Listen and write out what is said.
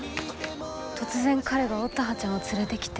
突然彼が乙葉ちゃんを連れてきて。